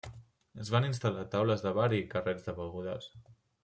Es van instal·lar taules de bar i carrets de begudes.